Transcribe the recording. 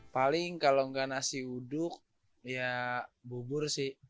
paling kalau nggak nasi uduk ya bubur sih